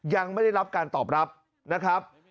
ยังไม่ได้รับการตอบรับนะครับ